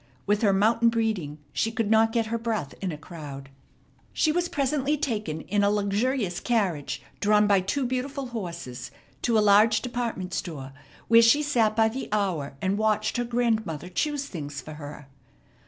With her mountain breeding she could not get her breath in a crowd. She was presently taken in a luxurious carriage, drawn by two beautiful horses, to a large department store, where she sat by the hour and watched her grandmother choose things for her.